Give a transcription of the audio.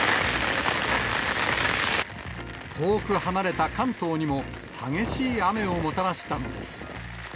遠く離れた関東にも、激しい雨をもたらしたのです。